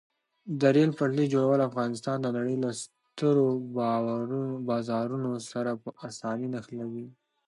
د ریل پټلۍ جوړول افغانستان د نړۍ له سترو بازارونو سره په اسانۍ نښلوي.